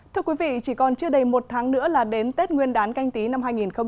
thưa quý vị chỉ còn chưa đầy một tháng nữa là đến tết nguyên đán canh tí năm hai nghìn hai mươi